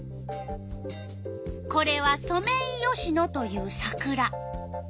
これはソメイヨシノというサクラ。